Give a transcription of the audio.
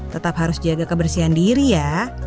tetap harus jaga kebersihan diri ya